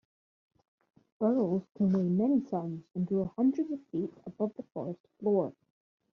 Burls can weigh many tons and grow hundreds of feet above the forest floor.